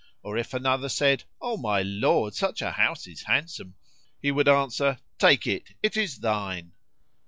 or if another said, "O my lord, such a house is handsome;" he would answer, "Take it: it is thine!"